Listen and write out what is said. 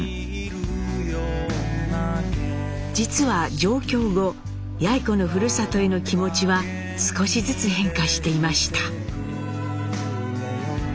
実は上京後やい子のふるさとへの気持ちは少しずつ変化していました。